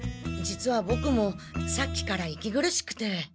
実はボクもさっきから息苦しくて。